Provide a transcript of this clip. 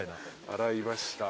洗いました。